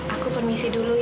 aku permisi dulu ya